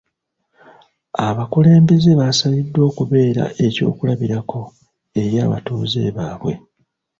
Abakulumbeze basabiddwa okubeera eky'okulabirako eri abatuuze baabwe.